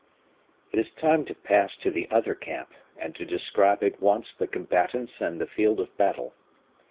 It is time to pass to the other camp, and to describe at once the combatants and the field of battle.